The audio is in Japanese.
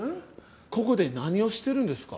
ここで何をしてるんですか？